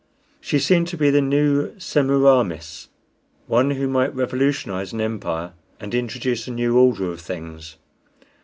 She seemed to be a new Semiramis one who might revolutionize an empire and introduce a new order of things.